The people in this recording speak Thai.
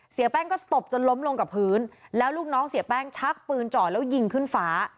เสียแป้งก็ตบจนล้มลงกับพื้นแล้วลูกน้องเสียแป้งชักปืนจ่อแล้วยิงขึ้นฟ้า